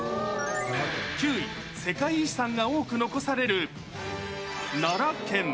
９位、世界遺産が多く残される奈良県。